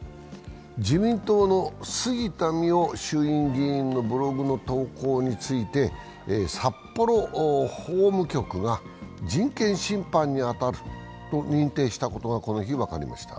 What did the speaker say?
自民党の杉田水脈衆院議員のブログの投稿について札幌法務局が人権侵犯に当たると認定したことがこの日、分かりました。